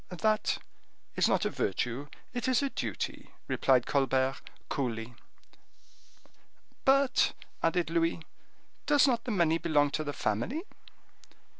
"That is not a virtue, it is a duty," replied Colbert, coolly. "But," added Louis, "does not the money belong to the family?"